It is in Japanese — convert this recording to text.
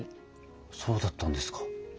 そうだったんですか。